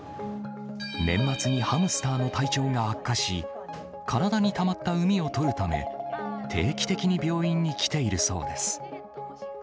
年末にハムスターの体調が悪化し、体にたまったうみを取るため、定期的に病院に来ているそうです。